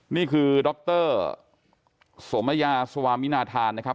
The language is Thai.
นี่คือดรสมยาสวามินาธานนะครับ